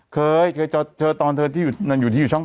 เคยเคยเจอตอนเธอที่อยู่ช่อง๘